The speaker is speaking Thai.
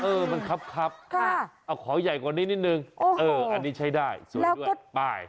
เออมันครับขอใหญ่กว่านี้นิดนึงอันนี้ใช้ได้สวยด้วยป้าย